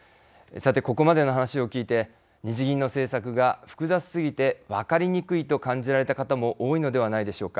さて、ここまでの話を聞いて日銀の政策が複雑すぎて分かりにくいと感じられた方も多いのではないでしょうか。